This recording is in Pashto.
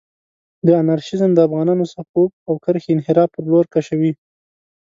دا انارشېزم د افغانانانو صفوف او کرښې انحراف پر لور کشوي.